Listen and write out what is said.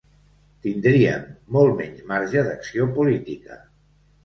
Tindríem molt menys marge d’acció política.